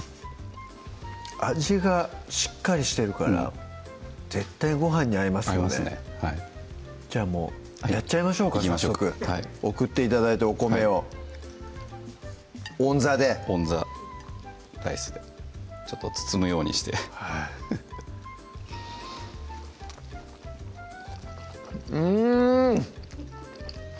味がしっかりしてるから絶対ごはんに合いますよねじゃあもうやっちゃいましょうか早速送って頂いたお米をオンザでオンザライスでちょっと包むようにしてはいうん！